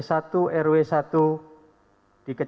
pekerjaannya pelajar atau mahasiswa statusnya belum nikah